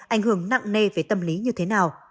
ảnh hưởng nặng nề về tâm lý như thế nào